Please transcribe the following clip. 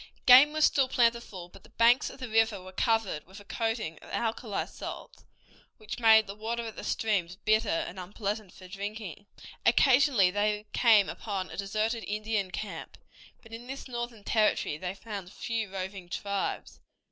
Game was still plentiful but the banks of the river were covered with a coating of alkali salts, which made the water of the streams bitter and unpleasant for drinking. Occasionally they came upon a deserted Indian camp, but in this northern territory they found few roving tribes.